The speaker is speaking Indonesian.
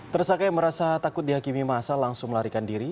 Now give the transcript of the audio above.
tersangka yang merasa takut dihakimi masa langsung melarikan diri